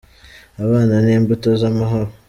Abana ni imbuto z’amahoro